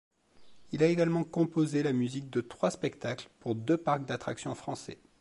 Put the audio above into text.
Il a également composé la musique de trois spectacles pour deux parcs d'attraction français.